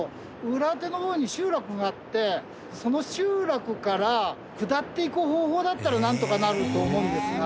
裏手の方に集落があってその集落から下っていく方法だったらなんとかなると思うんですが。